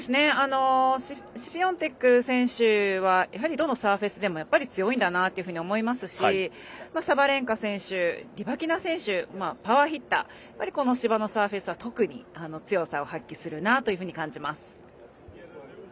シフィオンテク選手はやはりどのサーフェスでも強いんだなと思いますしサバレンカ選手、リバキナ選手パワーヒッターですがこの芝のサーフェスでは特に強さを発揮するなと感じます。